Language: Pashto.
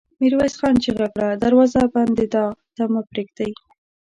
ميرويس خان چيغه کړه! دروازه بندېدا ته مه پرېږدئ!